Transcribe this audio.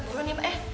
buruan ya mbak ya